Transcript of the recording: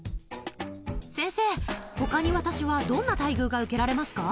先生、ほかに私は、どんな待遇が受けられますか？